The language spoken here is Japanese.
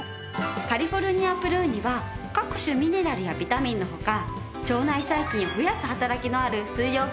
カリフォルニアプルーンには各種ミネラルやビタミンの他腸内細菌を増やす働きのある水溶性と不溶性食物